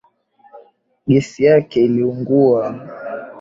Gesi yake iliungua